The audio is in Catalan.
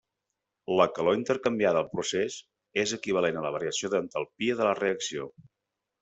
La calor intercanviada al procés és equivalent a la variació d'entalpia de la reacció.